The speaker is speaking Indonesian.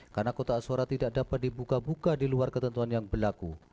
karena kotak suara tidak dapat dibuka buka di luar ketentuan yang berlaku